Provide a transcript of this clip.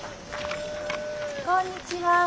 こんにちは。